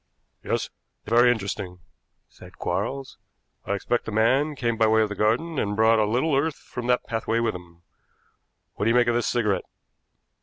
"Yes, very interesting," said Quarles. "I expect the man came by way of the garden and brought a little earth from that pathway with him. What do you make of this cigarette?"